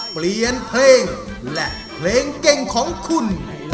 เปลี่ยนเพลงและเพลงเก่งของคุณ